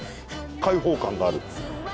開放感がある。